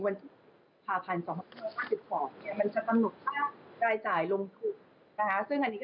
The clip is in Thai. มันจะคำหนดที่รายจ่ายลงทุก